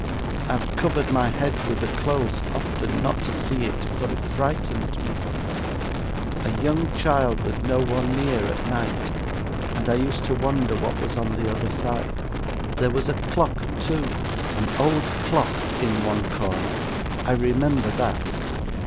I have covered my head with the clothes often, not to see it, for it frightened me: a young child with no one near at night: and I used to wonder what was on the other side. There was a clock too, an old clock, in one corner. I remember that.